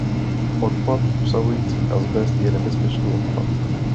Odpad obsahující azbest je nebezpečný odpad.